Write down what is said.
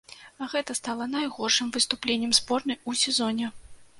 Гэта стала найгоршым выступленнем зборнай у сезоне.